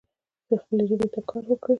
خپلي ژبي ته کار وکړئ.